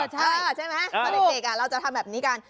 ใช่ไหมตอนเด็กเราจะทำแบบนี้กัน